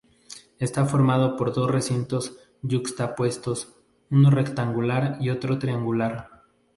Está formado por dos recintos yuxtapuestos: uno rectangular y otro triangular.